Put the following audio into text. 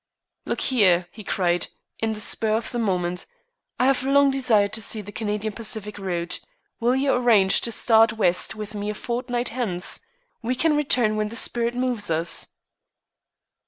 "Look here," he cried, on the spur of the moment, "I have long desired to see the Canadian Pacific route. Will you arrange to start West with me a fortnight hence? We can return when the spirit moves us."